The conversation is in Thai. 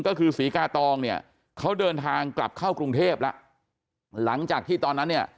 ก็คือศรีกาตองเนี่ยเขาเดินทางกลับเข้ากรุงเทพแล้วหลังจากที่ตอนนั้นเนี่ย